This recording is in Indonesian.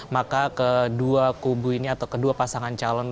maka kedua kubu ini atau kedua pasangan calon